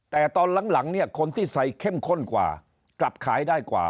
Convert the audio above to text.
แต่ตอนหลังเนี่ยคนที่ใส่เข้มข้นกว่ากลับขายได้กว่า